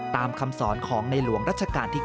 คำสอนของในหลวงรัชกาลที่๙